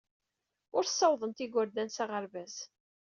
Ur ssawḍent igerdan s aɣerbaz.